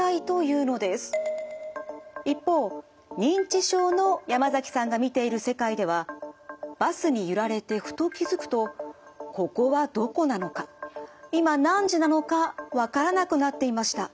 一方認知症の山崎さんが見ている世界ではバスに揺られてふと気付くとここはどこなのか今何時なのかわからなくなっていました。